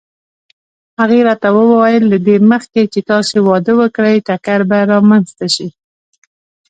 هغې راته وویل: له دې مخکې چې تاسې واده وکړئ ټکر به رامنځته شي.